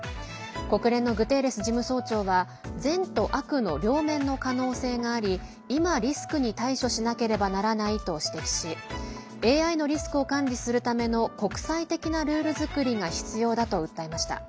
国連のグテーレス事務総長は善と悪の両面の可能性があり今、リスクに対処しなければならないと指摘しＡＩのリスクを管理するための国際的なルール作りが必要だと訴えました。